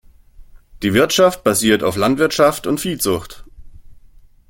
Die Wirtschaft basiert auf Landwirtschaft und Viehzucht.